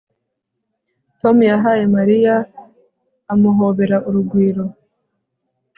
Tom yahaye Mariya amuhobera urugwiro